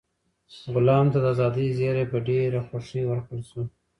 غلام ته د ازادۍ زېری په ډېره خوښۍ ورکړل شو.